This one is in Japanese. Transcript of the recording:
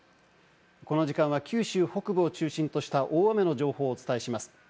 この時間は九州北部を中心とした大雨の情報をお伝えします。